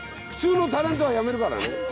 普通のタレントはやめるからね。